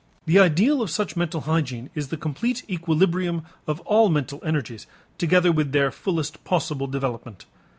The ideal of such mental hygiene is the complete equilibrium of all mental energies together with their fullest possible development.